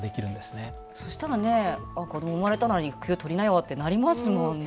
そしたらねあっ子ども生まれたなら育休取りなよってなりますもんね。